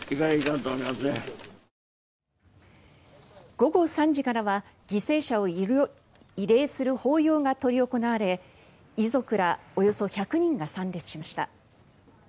午後３時からは、犠牲者を慰霊する法要が執り行われ遺族らおよそ１００人が参列しました。